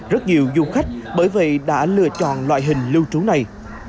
rất nhiều du khách bởi vậy đã lựa chọn loại hình lưu trú này